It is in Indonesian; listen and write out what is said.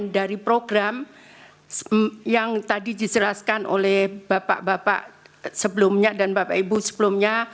dari program yang tadi dijelaskan oleh bapak bapak sebelumnya dan bapak ibu sebelumnya